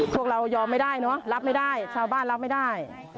พวกเรายอมไม่ได้เนอะรับไม่ได้ชาวบ้านรับไม่ได้